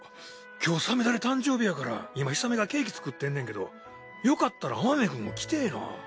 今日さみだれ誕生日やから今氷雨がケーキ作ってんねんけどよかったら雨宮君も来てぇな。